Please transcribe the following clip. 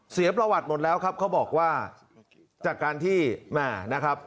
เสียประวัติหมดแล้วครับเขาบอกว่าจากการที่แม่นะครับ